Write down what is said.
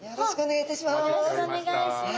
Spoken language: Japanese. よろしくお願いします。